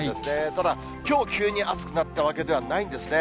ただ、きょう、急に暑くなったわけではないんですね。